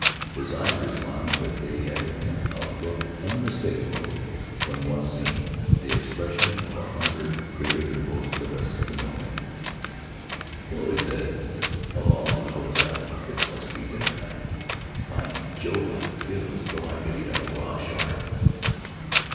His eyes were smiling, but they had in them a look unmistakable when once seen — the expression of a hunger greater than most of us have known. "Hello!" he said. "Come along to the hotel — it must be dinner time. By Jove! I feel as though I could eat a raw shark!"